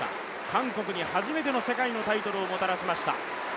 韓国に初めての世界のタイトルをもたらしました。